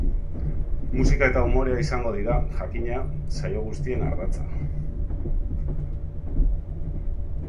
Musika eta umorea izango dira, jakina, saio guztien ardatza.